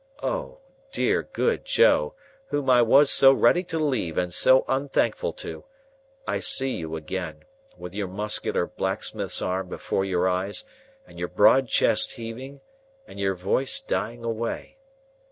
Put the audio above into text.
—" O dear good Joe, whom I was so ready to leave and so unthankful to, I see you again, with your muscular blacksmith's arm before your eyes, and your broad chest heaving, and your voice dying away.